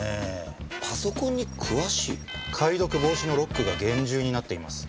解読防止のロックが厳重になっています。